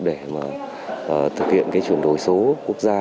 để thực hiện chuyển đổi số quốc gia